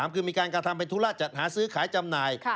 คือมีการกระทำเป็นธุระจัดหาซื้อขายจำหน่าย